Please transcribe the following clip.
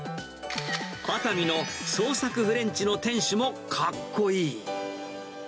熱海の創作フレンチの店主も、かっこいい。